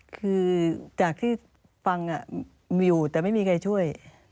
คือจากที่ฟังมีอยู่แต่ไม่มีใครช่วย